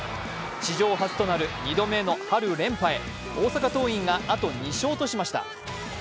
史上初となる２度目の春連覇へ、大阪桐蔭があと２勝としました。